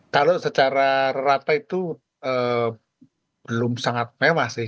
kalau secara rata itu belum sangat mewah sih